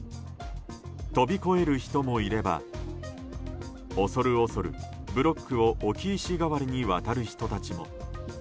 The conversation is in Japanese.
飛び越える人もいれば恐る恐るブロックを置き石代わりにわたる人たちも。